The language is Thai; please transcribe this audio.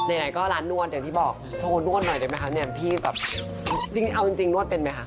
ไหนก็ร้านนวดอย่างที่บอกทุกคนนวดหน่อยได้มั้ยคะเอาจริงนวดเป็นมั้ยคะ